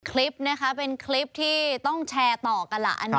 คลิปนะคะเป็นคลิปที่ต้องแชร์ต่อกันล่ะ